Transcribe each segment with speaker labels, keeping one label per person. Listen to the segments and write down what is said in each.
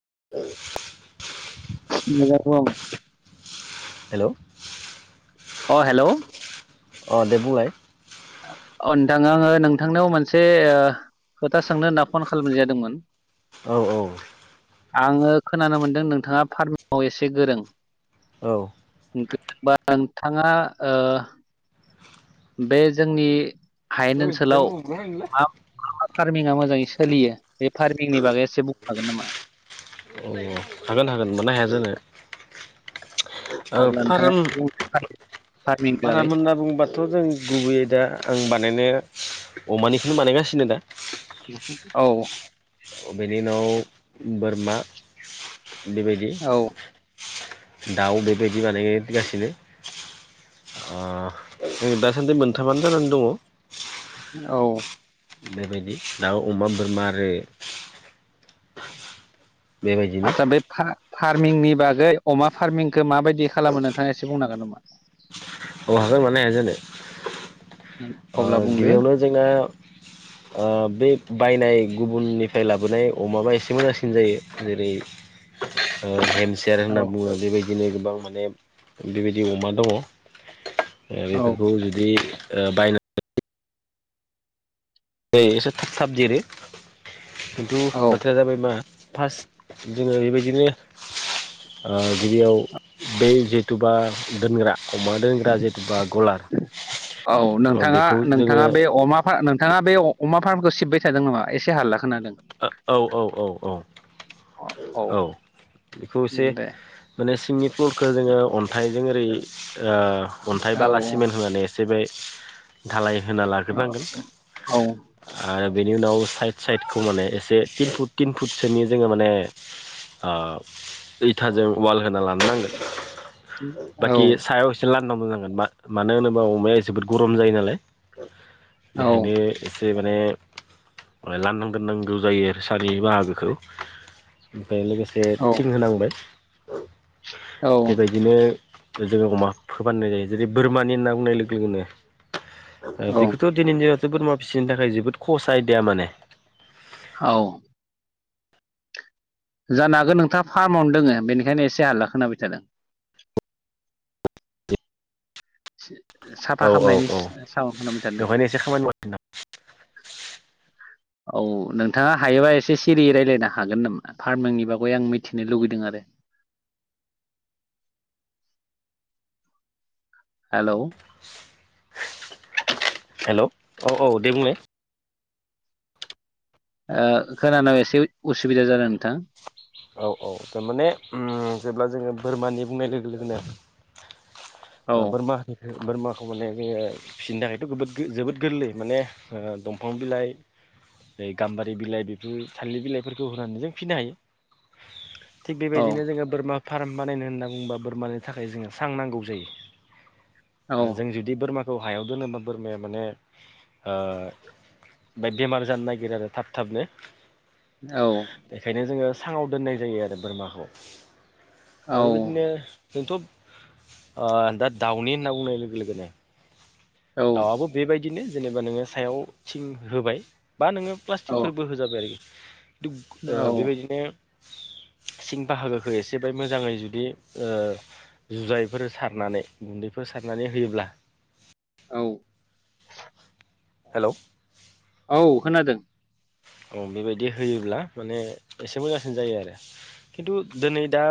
Speaker 1: [inaudible]
Speaker 2: मजाथ' आं
Speaker 1: हेलौ
Speaker 2: अ' हेलौ
Speaker 1: अ 'दे बुंलाय?
Speaker 2: अ' नोंथाङा नोंथांनाव मोनसे ओ खोथा सोंनो होनना फन खालामनाय जादोंमोन।
Speaker 1: औ औ
Speaker 2: आङो खोनानो मोनदों नोंथाङा फार्मआव एसे गोरों?
Speaker 1: औ
Speaker 2: गो बां नोंथाङा ओ बे जोंनि हायेन ओनसोलावा मा फार्मिङा मोजां एस सोलियो बे फार्मिंनि बागै एसे बुंनो हागोन नामा?
Speaker 1: हागोन हागोन। मोननो हाया जानो?
Speaker 2: अब्ला नोंथाङा [unintelligible] फार्मिंनि
Speaker 1: बारा
Speaker 2: बागै
Speaker 1: मोनना बुंबाथ' जों गुबैयै दा आं बानायनायो अमानिखौनो बानायगासिनो दा।
Speaker 2: औ।
Speaker 1: बेनि उनाव बोरमा बेबायदि
Speaker 2: औ
Speaker 1: दाउ बेबायदि बानाय गासिनो। आ जों दासान्दि मोनथामानो जानानै दङ।
Speaker 2: औ।
Speaker 1: बेबायदि दाउ अमा बोरमा आरो बेबायदिनो
Speaker 2: आतसा बे फा फार्मिंनि बागै अमा फार्मिंखो माबायदि खालामो नोंथाङा एसे बुंनो हागोन नामा?
Speaker 1: अहागोन मानो हायाजानो। ओ
Speaker 2: अब्ला बुंदो
Speaker 1: गिबियावनो जोंना ओ बे बायनाय गुबुननिफ्राय लाबोनाय अमाबा एसे मोजांसिन जायो। जेरै ओ भेमसेयार
Speaker 2: औ
Speaker 1: होनना बुङो बेबायदिनो गोबां माने बेबायदि अमा दङ। ओ
Speaker 2: औ
Speaker 1: बेफोरखौ जुदि ओ बायनानै। जायो एसे थाब थाबदेरो खिन्थु
Speaker 2: औ
Speaker 1: बाथ्राया जाबाय मा। फास जोङो बेबायदिनो ओ गिबियाव बै जिहेथुबा दोनग्रा। अमा दोनग्रा जेथुबा गलार।
Speaker 2: औ
Speaker 1: बेखौ जोङो
Speaker 2: नोंथाङा-नोंथाङा बे अमाफा नोंथाङा बे अ अमा फार्मखो सिबबाय थादों नामा? एसे हालला खोनादों।
Speaker 1: औ-औ-औ। औ बेखौ एसे
Speaker 2: दे
Speaker 1: माने सिंनिफ्लुरखो जोङो अन्थाइ जों ओरै ओ अन्थाइ
Speaker 2: औ
Speaker 1: बाला सिमेन्ट होनानै एसे बे धालाय होना लाग्रबांगोन।
Speaker 2: औ
Speaker 1: आरो बेनि उनाव साइड साइडखौ माने एसे तिन फुट तिन फुटसोनि जोङो माने ओ इथाजों वाल होना लानो नांगोन। बाखि सायाव एसे लांदां-लांदां। मा-मानो होनोबा अमाया जोबोद गरम जायो नालाय।
Speaker 2: औ
Speaker 1: बेखायनो एसे माने लांदां दोनांगौ जायो आरो सानि बाहागोखौ। ओमफ्राय लोगोसे थिं होनांबाय
Speaker 2: औ
Speaker 1: बेबायदिनो जोङो अमा फोबाननाय जायो जेरै- बोरमानि ना बुंनाय लोगो-लोगोनो।
Speaker 2: औ
Speaker 1: बेखौथ' दिनैनि दिनावथ' बोरमा फिसिनो थाखाय जोबोद खस आयदाया माने।
Speaker 2: औ। जानो हागो नोंथाङा फार्मावनो दोङो बेनिखायनो एसे हला खोनाबाय थादों। [unintelligible] साफा
Speaker 1: औ औ
Speaker 2: खामनायनिस साहन खालामबाय [inaudible]
Speaker 1: बेवहायनो एसे खामानि मावगासिनो दं [unintelligible]
Speaker 2: औ नोंथाङा हायोबा एसे सिरि रायलायनो हागोन नामा फार्मिंनि बागै आं मिथिनो लुुबैदों आरो।
Speaker 1: [unintelligible]
Speaker 2: हेलौ।
Speaker 1: हेलौ औ-औ दे बुंलाय।
Speaker 2: ओ खोनानायाव एसे उसुबिदा जादों नोंथां।
Speaker 1: औ औ थारमाने उम जेब्ला जोङो बोरमानि बुंनाय लोगो लोगोनो।
Speaker 2: औ
Speaker 1: ओ बोरमा बोरमाखौ माने बे फिसिनो थाखायथ'गोबोद-जोबोद गोरलै माने दंफां बिलाइ। नै गाम्बारि बिलाइ बेफोर थालिर बिलाइफोरखौ होनानै जों फिनो हायो। थिग
Speaker 2: औ
Speaker 1: बेबायदिनो जोङो बोरमा फार्म बानायनो होनना बुङोबा बोरमानि थाखाय जोङो सां नांगौ जायो।
Speaker 2: औ
Speaker 1: जों जुदि बोरमाखौ हायाव दोनोबा बोरमाया माने ओ ओमफाय बेमार जानो नागिरो आरो थाब थाबनो।
Speaker 2: औ
Speaker 1: बेखायनो जोङो साङाव दोननाय जायो आरो बोरमाखौ।
Speaker 2: औ
Speaker 1: आरो बेबायदिनो जोंथ' ओ दा-दाउनि होनना बुंनाय लोगो-लोगोनो।
Speaker 2: औ
Speaker 1: दाउवाबो बेबायदिनो जेनेबा नोङो सायाव थिं होबाय। बा नोङो प्लास्टिकफोरबो होजाबाय आरोखि। थुग ओ
Speaker 2: औ
Speaker 1: बेबायदिनो। सिं बाहागोखौ एसे बाय मोजाङै जुदि ओ जुजाइफोर सारनानै गुन्दैफोर सारनानै होयोब्ला।
Speaker 2: औ
Speaker 1: हेलौ
Speaker 2: औ खोनादो।
Speaker 1: औ बेबायदि होयोब्ला माने एसे मोजांसिन जायो आरो। खिन्थु दोनै दा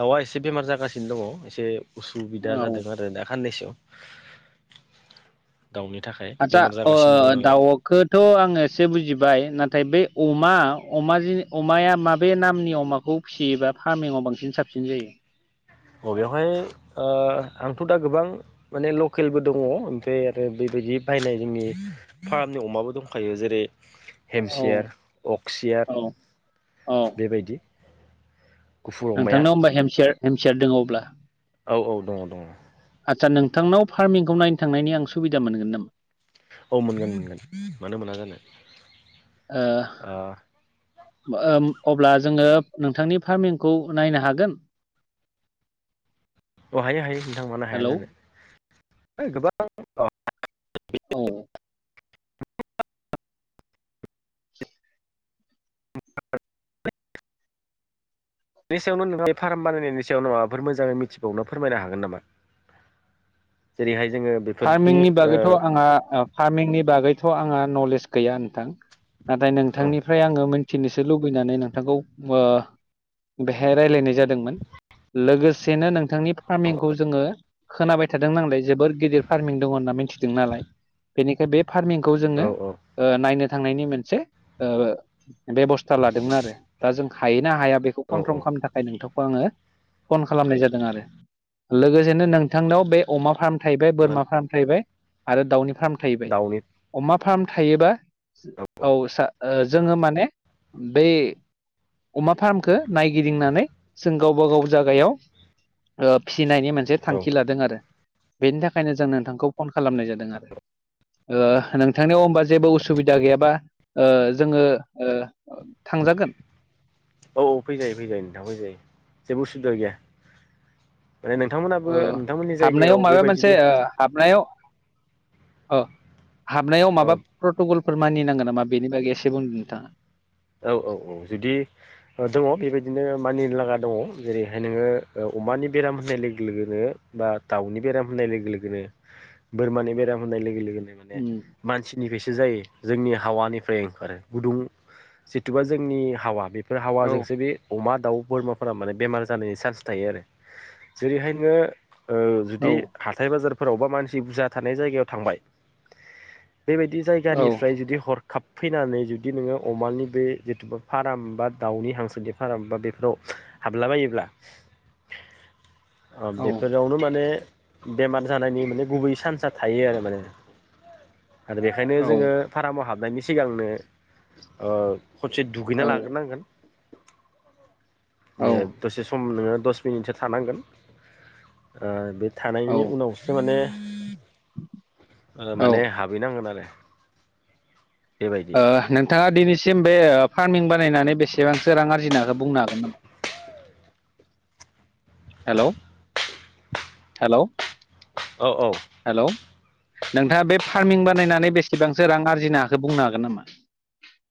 Speaker 1: दाउवा एसे बेमार जागासिनो दङ एसे। उसुबिदा
Speaker 2: औ
Speaker 1: जादों आरो दा खाननैसोआव। दाउनि थाखाय
Speaker 2: आच्चा
Speaker 1: बेमार
Speaker 2: अ
Speaker 1: जागासिनो दं नालाय
Speaker 2: दाउखोथ' आं एसे बुजिबाय। नाथाय बे अमा अमा अमाया माबे नामनि अमाखौ फिसियोबा फार्मिङाव बांसिन। साबसिन जायो।
Speaker 1: अ बेयावहाय ओ आंथ' दा गोबां माने लकेलबो दङ ओमफ्राय आरो बै बिदि बायनाय जोंनि फार्मनि अमाबो दंखायो जेरै
Speaker 2: औ
Speaker 1: हेमसियार अक्सियार
Speaker 2: औ औ
Speaker 1: बेबायदि गुफुर अमाया
Speaker 2: नोंथांनाव होमबा हेममसियार हेमसियार दों अब्ला।
Speaker 1: औ औ दङ दङ।
Speaker 2: आच्चसा नोंथांनाव फार्मिंखौ नायनो थांनायनि आं सुबिदा मोनगोन नामा?
Speaker 1: औ मोनगोन मोनगोन मानो मोना जानो।
Speaker 2: ओ ओ अब्ला जोङो नोंथांनि फार्मिंखौ नायनो हागोन।
Speaker 1: [inaudible] अ हायो हायो नोंथां मानो हाया
Speaker 2: हेलौ
Speaker 1: जानो गोबां
Speaker 2: औ
Speaker 1: [inaudible] बेनि सायावनो नोंथाङा बे फार्म बानायनायनि सायावनो माबाफोर मोजाङै मिथिबावनो फोरमायनो हागोन नामा? जेरैहाय जोङो बेफोरनि
Speaker 2: फार्मिंनि
Speaker 1: ओ
Speaker 2: बागैथ' आङा फार्मिंनि बागैथ' आङा नलेज गैया नोंथां। नाथाय
Speaker 1: औ
Speaker 2: नोंथांनिफ्राय आङो मिथिनोसो लुबैनानै नोंथांखौ ओ‌ बेहाय रायज्लायनाय जादोंमोन लोगोसेनो नों नोंथांनि
Speaker 1: औ
Speaker 2: फार्मिंखौ जोङो खोनाबाय थादों नांलाय जोबोर गिदिर फार्मिं दङ होनना मिथिदों नालाय बेनिखाय बे फार्मिंखौ जोङो
Speaker 1: औ
Speaker 2: ओ नायनो थांनायनि मोनसे ओ बेबस्था लादोंमोन आरो दा जों हायो। हाया बेखौ
Speaker 1: औ
Speaker 2: कनफ्रम खालामनो थाखाय नोंथां। आङो फन खालामनाय जादों आरो लोगोसेनो नोंथांनाव बे अमा फार्म थाहैबाय
Speaker 1: औ
Speaker 2: बोरमा फार्म आरो दाउनि फार्म थाहैबाय
Speaker 1: दाउनि
Speaker 2: अमा फार्म थायोबा औ ओ जोङो माने बै अमा फार्मखो नायगिदिंनानै जों गावबा गाव जागायाव ओ फिसिनायनि मोनसे
Speaker 1: औ औ
Speaker 2: थांखि लादों आरो बेनि थाखायनो जों नोंथांखौ फन खालामनाय जादों आरो। ओ नोंथांनियाव होमबा जेबो उसुबिदा गैयाबा ओ जोङो ओ थांजागोन
Speaker 1: औ औ फैजायो फैजायो नोंथां फैजायो। जेबो उसुबिदा गैया -
Speaker 2: औ हाबनायाव माबा मोनसे
Speaker 1: बेबायदिनो
Speaker 2: हाबनायाव हाबनायाव
Speaker 1: औ
Speaker 2: माबा प्रटकल फोर मानिनांगोन नामा बेनि बागै एसे बुंदों नोंथाङा।
Speaker 1: औ औ औ जुदि दङ बेबायदिनो मानिनो लागा दङ जेरैहाय नोङो अमानि बेराम होननाय लोगो लोगोनो बा दाउनि बेराम होननाय लोगो लोगोनो बोरमानि बेराम होननाय लोगो लोगो माने
Speaker 2: उम
Speaker 1: मानसिनिफ्रायसो जायो जोंनि हावानिफ्राय आरो गुदुं जिथुबा जोंनि हावा बेफोर
Speaker 2: औ
Speaker 1: हावाजोंसो बे अमा दाउ बोरमाफोरा माने बेमार जानायनि चान्स थायो आरो जेरैहाय नोङो
Speaker 2: औ
Speaker 1: जुदि हाथाय बाजारफोरावबा मानसि बुरजा थानाय जायगायाव थांबाय। बेबायदि जायगानिफ्राय जुदि हरखाब फैनानै जुदि नोङो अमानि बे जिथुुबा फार्म बा दाउनि हांसोनि फार्म बा बेफोराव हाबलाबायोब्ला
Speaker 2: औ
Speaker 1: बेफोरावनो माने बेमार जानायनि माने गुबै चान्सआ थायो आरो माने आरो बेखायनो जोङो फारामाव हाबनायनि सिगांनो खनसे दुगैना
Speaker 2: औ
Speaker 1: लाग्रोनांगोन
Speaker 2: औ
Speaker 1: दसे सम नोङो दस मिनिटसो थानांगोन बे
Speaker 2: औ
Speaker 1: थानायनि उनावसो माने
Speaker 2: ओ
Speaker 1: माने हाबहैनांगोन आरो। बेबायदि
Speaker 2: नोंथाङा दिनैसिम बे फारमिं बानायनानै बेसेबांसो रां आरजिनाखौ बुंनो हागोन नामा हेल' हेल'।
Speaker 1: औ औ।
Speaker 2: नोंथाङा बे फारमिं बानायनानै बेसेबांसो रां आरजिनो हाखो बुंनो हागोन नामा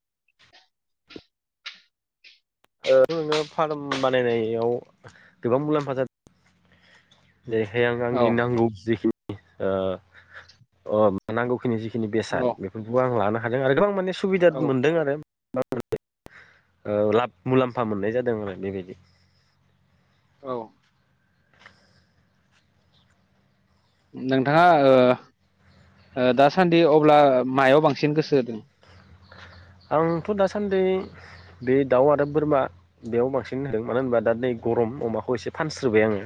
Speaker 1: [unintelligible] नोङो फार्म बानायनायाव गोबां मुलाम्फा जादों। जैहाय आं
Speaker 2: औ
Speaker 1: आंनि नांगौ जिखिनि नांगौखिनि जिखिनि बेसाद
Speaker 2: औ
Speaker 1: बेबो आं लानो हादों आरो गोबां माने सुबिदा
Speaker 2: औ
Speaker 1: मोनदों आरो। लाब मुलाम्फा मोननाय जादों आरो बेबायदि
Speaker 2: औ। नोंथाङा ओ दासान्दि अब्ला मायाव बांसिन गोसो होदों
Speaker 1: आंथ' दासान्दि बे दाउ आरो बोरमा बेयाव बांसिन होदों मानो होनबा दा नैे गरम अमाखौ एसे फानस्रोबाय आङो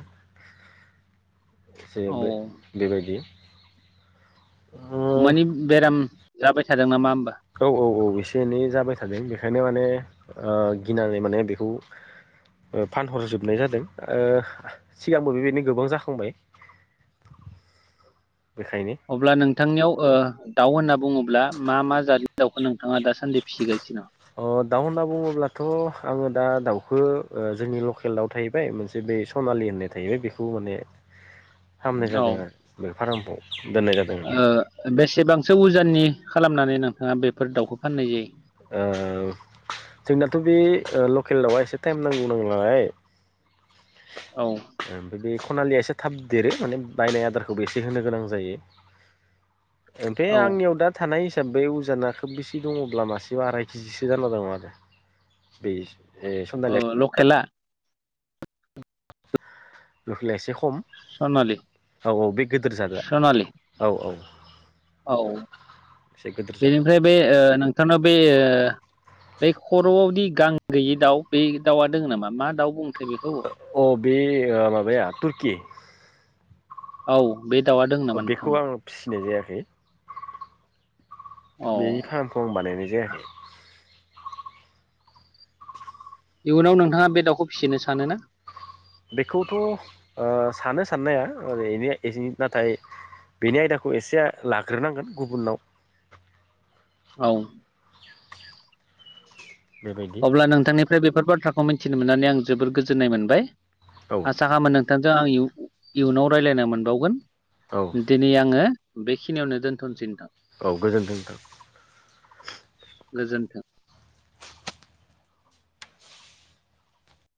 Speaker 1: एसे
Speaker 2: औ
Speaker 1: बे बेबायदि ओ
Speaker 2: अमानि बेराम जाबाय थादों नामा
Speaker 1: औ औ औ एसे एनै जाबाय थादों बे बेंखायनो माने ओ गिनानै माने बेखौ फानहरजोबनाय जादों सिगांबो बेबायदिनो गोबां जाखांबाय [unintelligible]
Speaker 2: अब्ला नोंथांनियाव ओ दाउ होनना बुङोब्ला मा मा जादनि दाउखौ नोंथाङा दासान्दि फिसिगासिनो दं
Speaker 1: अ दाउ होनना बुङोब्लाथ' आङो दा दाउखौ जोंनि लकेल दाउ थाहैबाय मोनसे बे सनालि होननाय थायोबाय बेखौ माने हामनाय
Speaker 2: औ
Speaker 1: जादों आरो बे फारामखौ दोननाय जादों
Speaker 2: ओ
Speaker 1: आरो।
Speaker 2: बेसेबांसो उजाननि खालामनानै नोंथाङा बेफोर दाउखौ फाननाय जायो।
Speaker 1: ओ। जोंनाथ' बे लकेलावा एसे टाइम नांगौ नांलाय।
Speaker 2: औ
Speaker 1: आम बे खनालिया एसे थाब देरो माने बायनाय आदारखौबो एसे होनो गोनां जायो। ओमफाय
Speaker 2: औ
Speaker 1: आंनियाव दा थानाय। हिसाब बे उजाना खोब बेसे दङब्ला मासे आराय केजिसो जाना दङ आरो बे। ए
Speaker 2: अ
Speaker 1: सनालिया
Speaker 2: लकेला।
Speaker 1: लफैल एसे खम
Speaker 2: सनालि
Speaker 1: औ औ बे गिदिर जादआ
Speaker 2: सनालि
Speaker 1: औ औ।
Speaker 2: औ
Speaker 1: एसे गिदिर जादआ
Speaker 2: बेनिफ्राय बे नोंथांनाव बे ओ। बे खर'आवदि गां गैयि दाउ बे दाउआ दङ नामा मा दाउ। बुङोथाय बेखौ?
Speaker 1: अ बे माबाया तुरकि।
Speaker 2: औ। बे दाउआ दोङो नामा
Speaker 1: बेखौ
Speaker 2: नोंथांनाव?
Speaker 1: आं फिसिनाय जायाखै
Speaker 2: औ
Speaker 1: बेनि फार्मखौ आं बानायनाय जायाखै
Speaker 2: इयुनाव नोंथाङा बे दाउखौ फिसिनो सानोना
Speaker 1: बेखौथ ओ सानो साननाया ओ इदिनो नाथाय। बेनि आयदाखौ एसे लाग्रोनांगोन गुबुननाव
Speaker 2: औ
Speaker 1: बेबायदि
Speaker 2: अब्ला नोंथांनिफ्राय बेफोर बाथ्राखौ मिथिनो मोननानै आं जोबोर गोजोननाय मोनबाय
Speaker 1: औ
Speaker 2: आसा खामो नों थांजों आं इयुनाव रायलायनो मोनबावगोन
Speaker 1: औ
Speaker 2: दिनै आङो बेखिनियावनो दोनथनोसै नोंथां
Speaker 1: औ गोजोन्थों नोंथां
Speaker 2: गोजोन्थों।